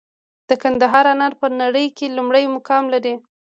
د کندهار انار په نړۍ کې لومړی مقام لري.